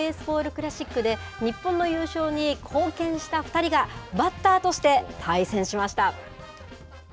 クラシックで日本の優勝に貢献した２人が、バッターとして対戦しました。